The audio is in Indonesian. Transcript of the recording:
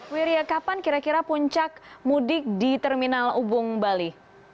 wiria kapan kira kira puncak mudik di terminal ubung bali